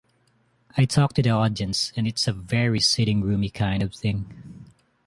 I talk to the audience and it's a very sitting-roomy kind of thing.